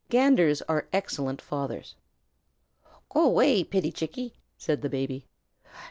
Ganders are excellent fathers. "Go way, pitty Chickie!" said the Baby.